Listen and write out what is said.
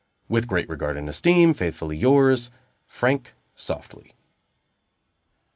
"With great regard and esteem, faithfully yours, "FRANK SOFTLY."